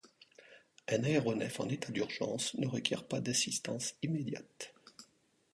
Un aéronef en état d'urgence ne requiert pas d'assistance immédiate.